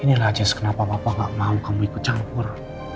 inilah jess kenapa papa gak mau kamu ikut campur